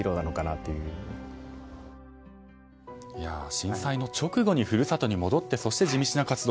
震災の直後に故郷に戻ってそして、地道な活動。